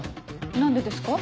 何でですか？